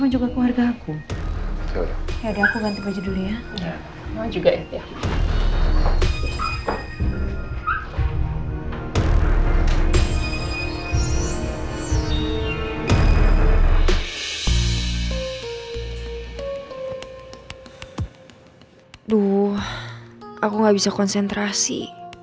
aku gak bisa konsentrasi